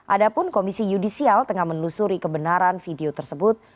ada pun komisi yudisial tengah menelusuri kebenaran video tersebut